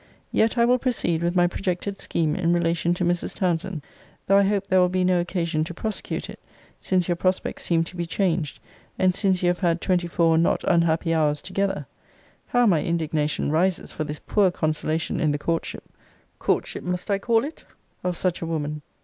Yet I will proceed with my projected scheme in relation to Mrs. Townsend; though I hope there will be no occasion to prosecute it, since your prospects seem to be changed, and since you have had twenty four not unhappy hours together. How my indignation rises for this poor consolation in the courtship [courtship must I call it?] of such a woman!